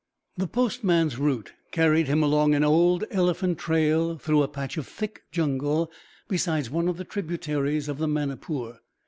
The postman's route carried him along an old elephant trail through a patch of thick jungle beside one of the tributaries of the Manipur.